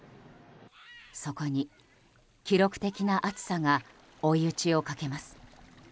そこに記録的な暑さが追い打ちをかけます。